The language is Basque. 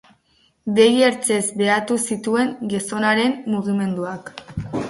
Begi ertzez behatu zituen gizonaren mugimenduak.